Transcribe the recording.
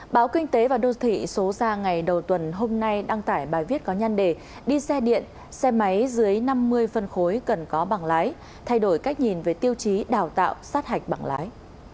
báo kinh tế và đô thị số ra ngày đầu tuần hôm nay đăng tải bài viết có nhăn đề đi xe điện xe máy dưới năm mươi phân khối cần có bảng lái thay đổi cách nhìn về tiêu chí đào tạo sát hạch bằng lái